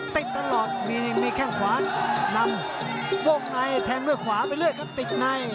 ติดตลอดมีแข้งขวานำวงในแทงด้วยขวาไปเรื่อยครับติดใน